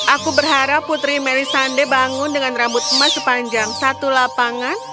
aku berharap putri melisande bangun dengan rambut emas sepanjang satu lapangan